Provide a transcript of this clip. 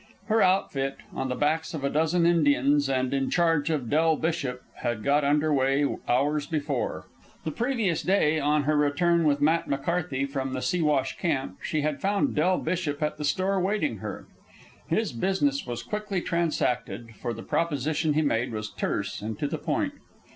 Her outfit, on the backs of a dozen Indians and in charge of Del Bishop, had got under way hours before. The previous day, on her return with Matt McCarthy from the Siwash camp, she had found Del Bishop at the store waiting her. His business was quickly transacted, for the proposition he made was terse and to the point.